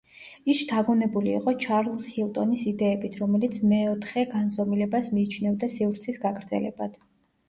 ის შთაგონებული იყო ჩარლზ ჰილტონის იდეებით, რომელიც მეოთხე განზომილებას მიიჩნევდა სივრცის გაგრძელებად.